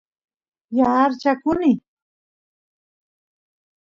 yaarchakuny